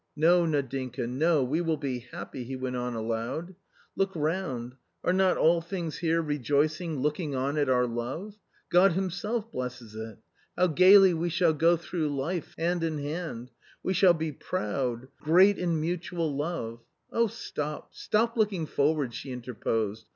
" No, Nadinka, no, we will be happy I " he went on aloud. " Look round ; are not all things here rejoicing looking on at our love ? God Himself blesses it. How gaily we shall go through life hand in hand 1 We shall be proud, great in mutual love 1 '" "Oh, stop, stop looking forward 1" she interposed.